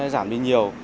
giảm đi nhiều